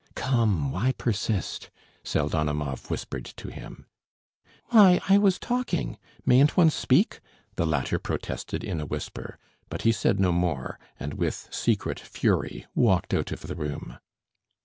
"Come, why persist?" Pseldonimov whispered to him. "Why, I was talking. Mayn't one speak?" the latter protested in a whisper; but he said no more and with secret fury walked out of the room.